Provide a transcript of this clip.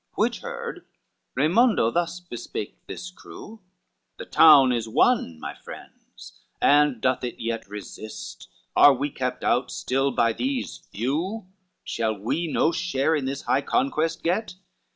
CIV Which heard, Raymondo thus bespake this crew, "The town is won, my friends, and doth it yet Resist? are we kept out still by these few? Shall we no share in this high conquest get?"